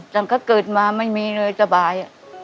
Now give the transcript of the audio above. ฉันก็เกิดมาไม่มีเลยสบาย